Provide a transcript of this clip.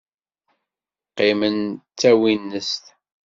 Qqimen d tawinest.